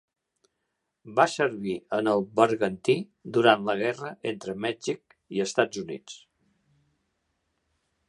Va servir en el bergantí durant la guerra entre Mèxic i Estats Units.